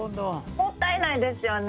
もったいないですよね。